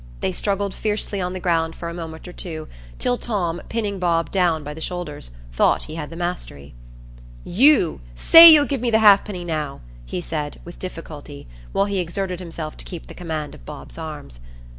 They struggled fiercely on the ground for a moment or two, till Tom, pinning Bob down by the shoulders, thought he had the mastery. "You, say you'll give me the halfpenny now," he said, with difficulty, while he exerted himself to keep the command of Bob's arms.